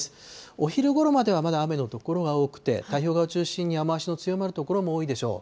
お昼ごろまではまだ雨の所が多くて、太平洋側を中心に雨足の強まる所も多いでしょう。